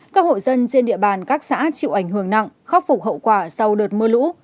các hộ dân trên địa bàn các xã chịu ảnh hưởng nặng khắc phục hậu quả sau đợt mưa lũ